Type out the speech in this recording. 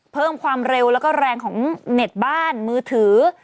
เพิ่มความเร็วแล้วก็แรงของเน็ตบ้านมือถือ